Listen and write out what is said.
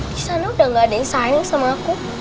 di sana udah gak ada yang sayang sama aku